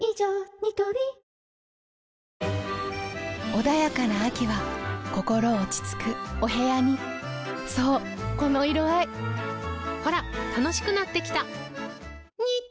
ニトリ穏やかな秋は心落ち着くお部屋にそうこの色合いほら楽しくなってきた！